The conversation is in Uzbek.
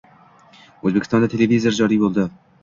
O’zbekistonda televizor joriy bo‘ldi.